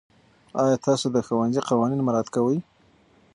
آیا تاسو د ښوونځي قوانین مراعات کوئ؟